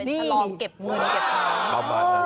เป็นทะลองเก็บเงินเก็บโทง